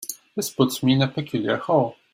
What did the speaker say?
This puts me in a peculiar hole.